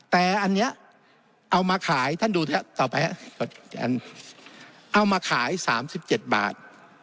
แต่อันเนี้ยเอามาขายท่านดูเถอะต่อไปฮะเอามาขายสามสิบเจ็ดบาท